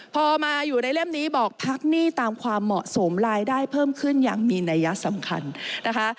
พอมาอยู่ในเล่มนี้บอกพักหนี้ตามความเหมาะสมรายได้เพิ่มขึ้นอย่างมีนัยสำคัญนะคะ